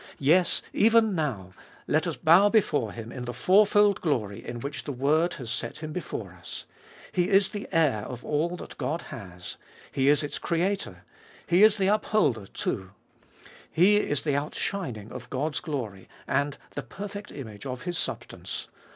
Yes, even now, let us bow before Him in the fourfold glory in which the word has set Him before us. He is the Heir of all that God has. He is its Creator. He is the Up holder too. He is the Outshining of God's glory, and the perfect Image of His substance.